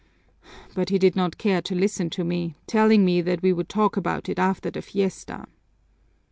But he did not care to listen to me, telling me that we would talk about it after the fiesta."